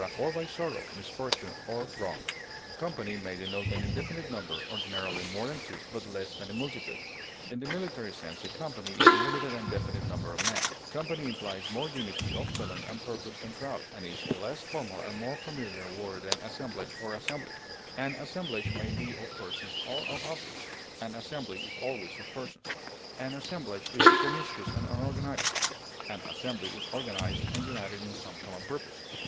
or by sorrow, misfortune, or wrong; company may denote an indefinite number (ordinarily more than two), but less than a multitude; in the military sense a company is a limited and definite number of men; company implies more unity of feeling and purpose than crowd, and is a less formal and more familiar word than assemblage or assembly. An assemblage may be of persons or of objects; an assembly is always of persons. An assemblage is promiscuous and unorganized; an assembly is organized and united in some common purpose.